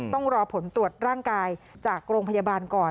ต้องรอผลตรวจร่างกายจากโรงพยาบาลก่อน